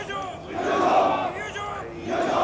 よいしょ！